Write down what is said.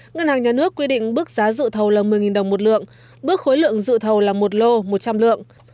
ngân hàng nhà nước quy định bước giá dự thầu là một mươi đồng một lượng bước khối lượng dự thầu là một lô một trăm linh lượng